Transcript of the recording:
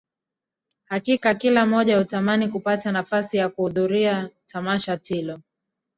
Hakika kila mmoja hutamani kupata nafasi ya kuhudhuria tamasha tilo